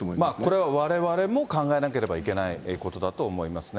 これはわれわれも考えなければいけないことだと思いますね。